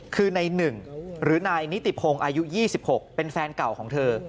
คือในหนึ่งหรือนายนิติพงศ์อายุ๒๖เป็นแฟนเก่าของเธอ